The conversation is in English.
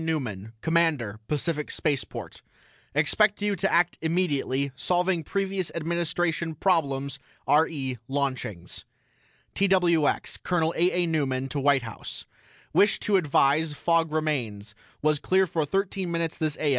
NEUMAN COMMANDER PACIFIC SPACEPORT: EXPECT YOU TO ACT IMMEDIATELY SOLVING PREVIOUS ADMINISTRATION PROBLEMS RE LAUNCHINGS TWX COL. A. A. NEUMAN TO WHITE HOUSE: WISH TO ADVISE FOG REMAINS WAS CLEAR FOR THIRTEEN MINUTES THIS A.